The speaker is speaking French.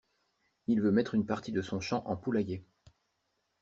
Il veut mettre une partie de son champ en poulailler.